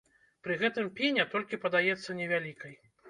Пры гэтым пеня толькі падаецца невялікай.